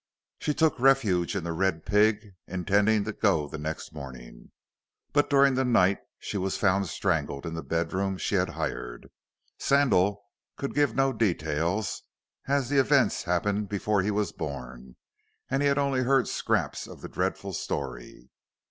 She took refuge in "The Red Pig," intending to go the next morning. But during the night she was found strangled in the bedroom she had hired. Sandal could give no details, as the events happened before he was born, and he had only heard scraps of the dreadful story.